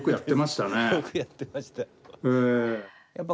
よくやってましたね。